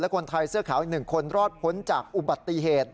คนไทยเสื้อขาวอีก๑คนรอดพ้นจากอุบัติเหตุ